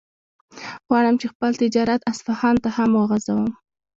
غواړم چې خپل تجارت اصفهان ته هم وغځوم.